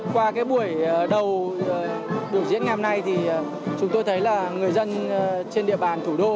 qua cái buổi đầu biểu diễn ngày hôm nay thì chúng tôi thấy là người dân trên địa bàn thủ đô